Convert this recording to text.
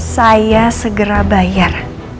saya segera bayar